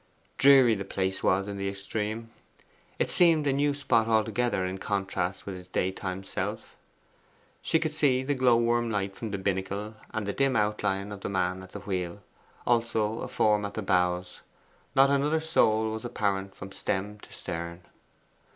Dreary the place was in the extreme. It seemed a new spot altogether in contrast with its daytime self. She could see the glowworm light from the binnacle, and the dim outline of the man at the wheel; also a form at the bows. Not another soul was apparent from stem to stern.